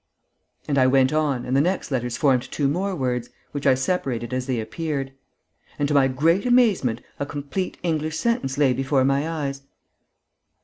And I went on and the next letters formed two more words, which I separated as they appeared. And, to my great amazement, a complete English sentence lay before my eyes.